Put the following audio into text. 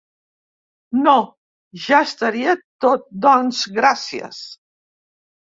No, ja estaria tot doncs gracies.